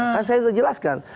kan saya terjelaskan